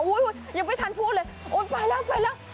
ยังไม่ทันพูดเลยโอ๊ยไปแล้วไปแล้ว